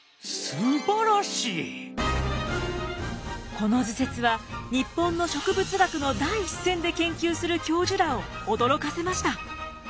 この図説は日本の植物学の第一線で研究する教授らを驚かせました。